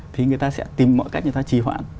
thì người ta sẽ tìm mọi cách người ta trì hoãn